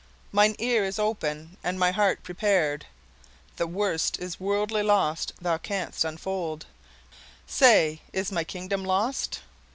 "Mine ear is open, and my heart prepared: The worst is wordly loss thou canst unfold:— Say, is my kingdom lost?"